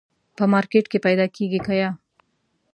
په مارکېټ کي پیدا کېږي که یه ؟